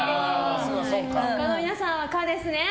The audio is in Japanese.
他の皆さんは可ですね。